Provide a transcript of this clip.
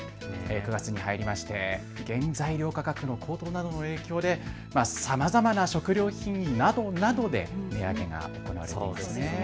９月に入りまして原材料価格の高騰などの影響でさまざまな食料品などで値上げが行われています。